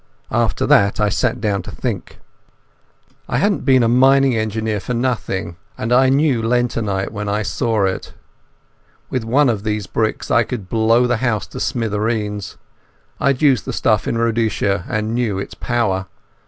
After that I sat down to think. I hadn't been a mining engineer for nothing, and I knew lentonite when I saw it. With one of these bricks I could blow the house to smithereens. I had used the stuff in Rhodesia and knew its power.